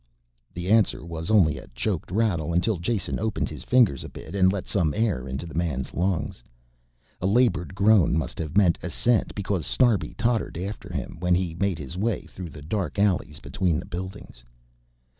The answer was only a choked rattle until Jason opened his fingers a bit and let some air into the man's lungs. A labored groan must have meant assent because Snarbi tottered after him when he made his way through the dark alleys between the buildings.